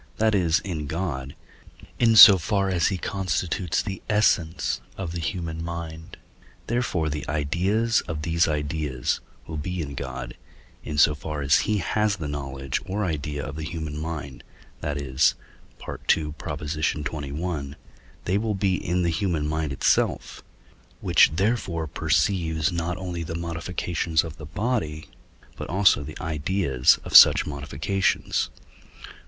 that is, in God, in so far as he constitutes the essence of the human mind; therefore the ideas of these ideas will be in God, in so far as he has the knowledge or idea of the human mind, that is (II. xxi.), they will be in the human mind itself, which therefore perceives not only the modifications of the body, but also the ideas of such modifications.